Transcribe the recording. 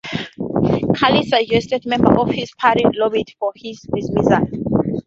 Khalid suggested members of his party lobbied for his dismissal.